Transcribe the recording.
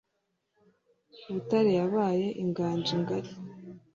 butare yabaye inganji ngari,